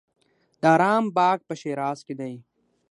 د ارم باغ په شیراز کې دی.